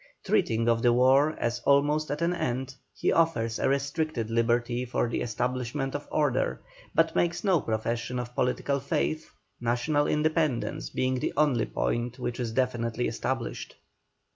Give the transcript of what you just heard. Treating of the war as almost at an end, he offers a restricted liberty for the establishment of order, but makes no profession of political faith, national independence being the only point which is definitely established.